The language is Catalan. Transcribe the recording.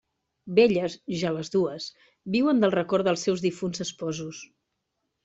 Velles ja les dues, viuen del record dels seus difunts esposos.